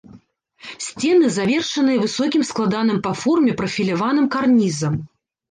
Сцены завершаныя высокім складаным па форме прафіляваным карнізам.